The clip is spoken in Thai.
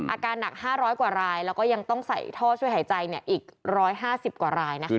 อาการหนัก๕๐๐กว่ารายแล้วก็ยังต้องใส่ท่อช่วยหายใจอีก๑๕๐กว่ารายนะคะ